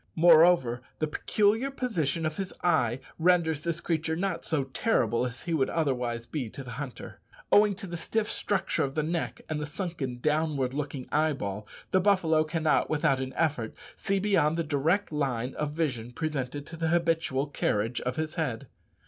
Moreover, the peculiar position of his eye renders this creature not so terrible as he would otherwise be to the hunter. Owing to the stiff structure of the neck, and the sunken, downward looking eyeball, the buffalo cannot, without an effort, see beyond the direct line of vision presented to the habitual carriage of his head.